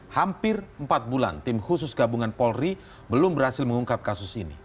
hampir empat bulan tim khusus gabungan polri belum berhasil mengungkap kasus ini